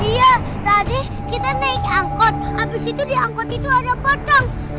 iya tadi kita naik angkot abis itu di angkot itu ada pojok